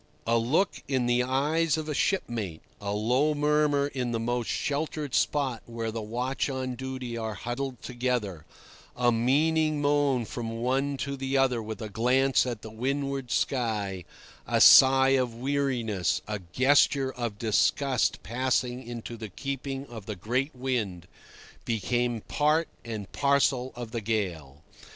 A look in the eyes of a shipmate, a low murmur in the most sheltered spot where the watch on duty are huddled together, a meaning moan from one to the other with a glance at the windward sky, a sigh of weariness, a gesture of disgust passing into the keeping of the great wind, become part and parcel of the gale.